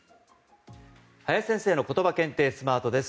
林先生のことば検定スマートです。